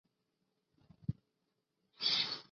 螯埃齿螯蛛为球蛛科齿螯蛛属的动物。